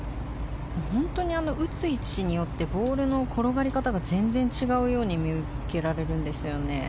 本当に打つ位置によってボールの転がり方が全然違うように見受けられるんですよね。